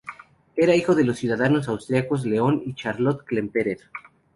Era hijo de los ciudadanos austríacos Leon y Charlotte Klemperer.